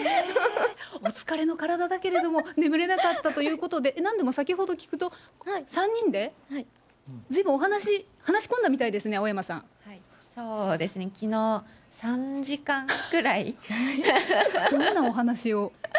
お疲れの体だけれども、眠れなかったということで、なんでも先ほど聞くと、３人で、ずいぶんお話、話し込んだみたいですね、そうですね、きのう、３時間どんなお話を。